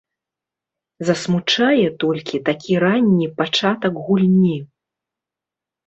Засмучае толькі такі ранні пачатак гульні.